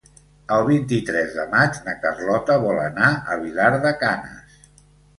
El vint-i-tres de maig na Carlota vol anar a Vilar de Canes.